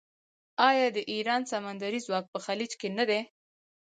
آیا د ایران سمندري ځواک په خلیج کې نه دی؟